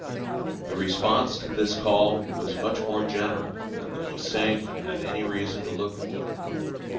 The response to this call was much more general than the most sanguine had any reason to look for.